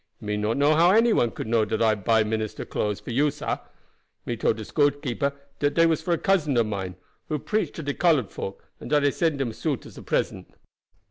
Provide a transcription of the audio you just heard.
Me not know how any one could know dat I buy dat minister clothes for you, sah. Me told de storekeeper dat dey was for cousin of mine, who preach to de colored folk, and dat I send him suit as present.